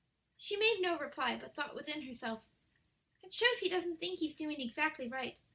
She made no reply, but thought within herself, "That shows he doesn't think he's doing exactly right.